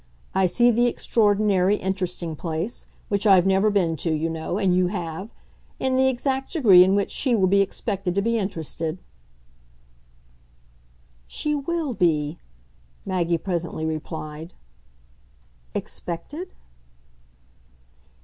I see the extraordinary 'interesting' place which I've never been to, you know, and you have and the exact degree in which she will be expected to be interested." "She WILL be," Maggie presently replied. "Expected?"